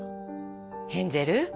ヘンゼル？